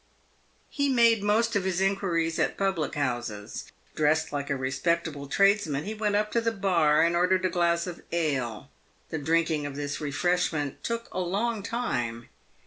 He made most of his inquiries at public houses. Dressed like a respectable tradesman, he went up to the bar and ordered a glass of ale. The drinking of this refreshment took a long time.